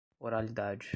oralidade